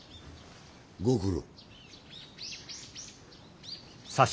ご苦労。